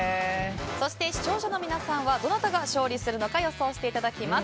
そして視聴者の皆さんはどなたが勝利するのか予想していただきます。